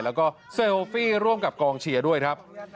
แล้วก็เซลฟี่ร่วมกับกองเชียร์ด้วยครับ